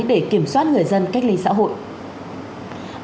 để kiểm soát người dân cách ly xã hội